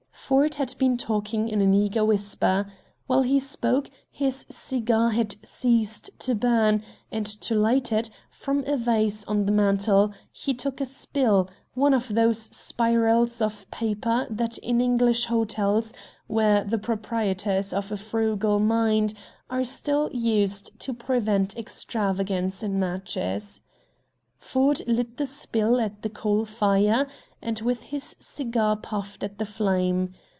Ford had been talking in an eager whisper. While he spoke his cigar had ceased to burn, and to light it, from a vase on the mantel he took a spill, one of those spirals of paper that in English hotels, where the proprietor is of a frugal mind, are still used to prevent extravagance in matches. Ford lit the spill at the coal fire, and with his cigar puffed at the flame.